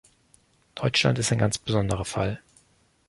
Deutschland ist ein ganz besonderer Fall.